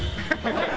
ハハハハ！